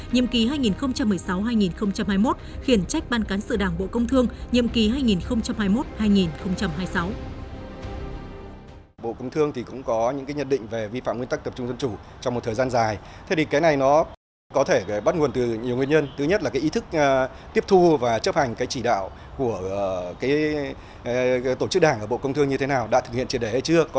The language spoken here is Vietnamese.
nhiệm ký hai nghìn một mươi sáu hai nghìn hai mươi một khiển trách ban cán sự đảng bộ công thương nhiệm ký hai nghìn hai mươi một hai nghìn hai mươi sáu